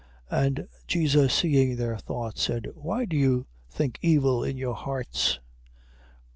9:4. And Jesus seeing their thoughts, said: Why do you think evil in your hearts?